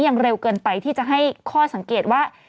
เร็วเกินไปที่จะให้ข้อสังเกตว่า